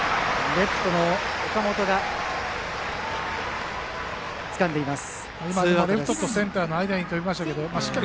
レフトの岡本がつかんでいます。